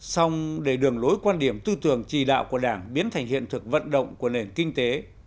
xong để đường lối quan điểm tư tưởng chỉ đạo của đảng biến thành hiện thực vận động của nền kinh tế